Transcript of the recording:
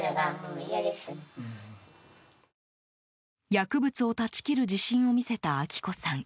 薬物を断ち切る自信を見せた明子さん。